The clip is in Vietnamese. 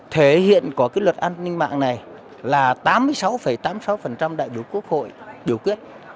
thế hiện của luật an ninh mạng này là tám mươi sáu tám mươi sáu đại biểu quốc hội điều quyết